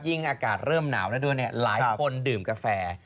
ยิ่งอากาศเริ่มหนาวแล้วด้วยหลายคนดื่มกาแฟ